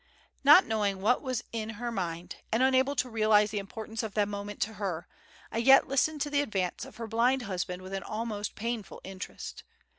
Not knowing what was in her mind, and unable to realize the importance of the moment to her, I yet listened to the advance of her blind husband with an almost painful interest.